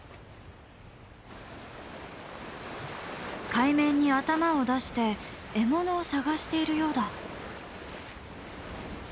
海面に頭を出して獲物を探しているようだ。